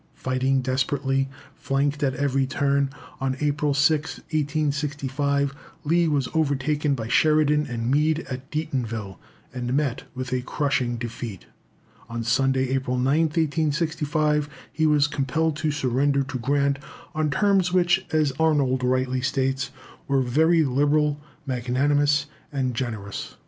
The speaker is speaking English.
Fighting desperately, flanked at every turn, on April 6th, 1865, Lee was overtaken by Sheridan and Meade at Deatonville, and met with a crushing defeat. On Sunday, April 9th, 1865, he was compelled to surrender to Grant on terms which, as Arnold rightly states, were very liberal, magnanimous, and generous.